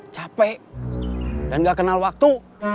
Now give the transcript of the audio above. capek dan gak kenal waktu